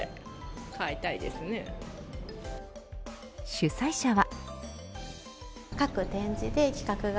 主催者は。